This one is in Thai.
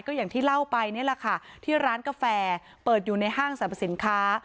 ก็อย่างที่เล่าไปนี่แหละค่ะที่ร้านกาแฟเปิดอยู่ในห้างสรรพสินค้า